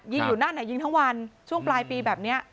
อยู่นั่นยิงทั้งวันช่วงปลายปีแบบนี้